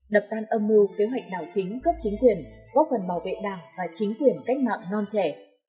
đập tan âm mưu kế hoạch đảo chính cấp chính quyền góp phần bảo vệ đảng và chính quyền cách mạng non trẻ